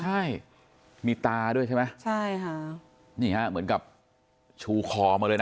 ใช่มีตาด้วยใช่ไหมใช่ค่ะนี่ฮะเหมือนกับชูคอมาเลยนะ